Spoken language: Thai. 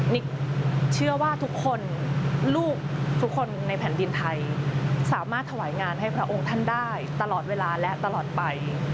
นิกเชื่อว่าทุกคนลูกทุกคนในแผ่นดินไทยสามารถถวายงานให้พระองค์ท่านได้ตลอดเวลาและตลอดไป